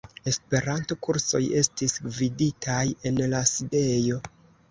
Esperanto-kursoj estis gviditaj en la sidejo.